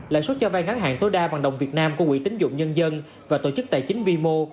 lãi suất cho vay ngắn hàng tối đa bằng đồng việt nam của quỹ tính dụng nhân dân và tổ chức tài chính vimo